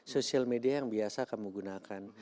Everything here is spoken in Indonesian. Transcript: sosial media yang biasa kamu gunakan